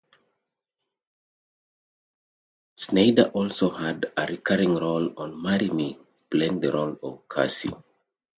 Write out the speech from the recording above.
Schneider also had a recurring role on "Marry Me", playing the role of Cassie.